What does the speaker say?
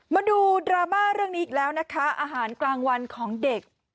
มาดูดราม่าเรื่องนี้อีกแล้วนะคะอาหารกลางวันของเด็ก